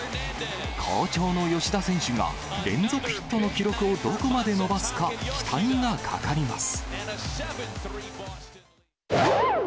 好調の吉田選手が連続ヒットの記録をどこまで伸ばすか、期待がかかります。